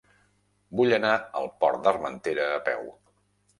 Vull anar al Pont d'Armentera a peu.